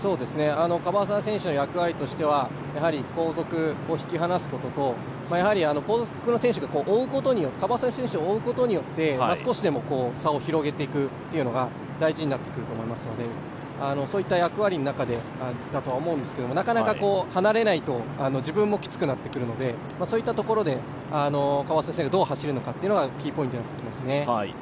樺沢選手の役割としては、後続を引き離すことと後続の選手が樺沢選手を追うことによって、少しでも差を広げていくというのが大事になってくると思いますので、そういった役割の中だと思うんですけどなかなか離れないと自分もきつくなってくるので、そういったところで樺沢選手がどう走るのかがキーポイントになってきますね。